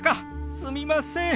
すみません。